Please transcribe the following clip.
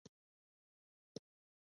مصنوعي ځیرکتیا د وجدان رول روښانه کوي.